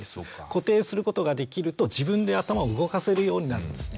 固定することができると自分で頭を動かせるようになるんですね。